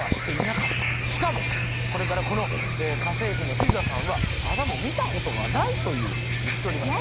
しかもそれからこの家政婦のヒルダさんはというふうに言っております